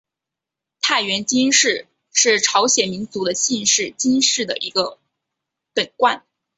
太原金氏是朝鲜民族的姓氏金姓的一个本贯。